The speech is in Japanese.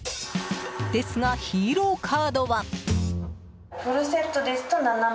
ですがヒーローカードは。